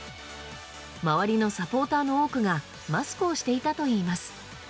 周りのサポーターの多くがマスクをしていたといいます。